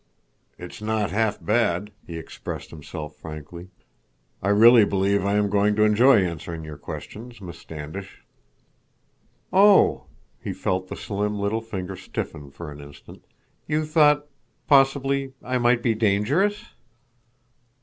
"It's not half bad," he expressed himself frankly. "I really believe I am going to enjoy answering your questions, Miss Standish." "Oh!" He felt the slim, little figure stiffen for an instant. "You thought—possibly—I might be dangerous?"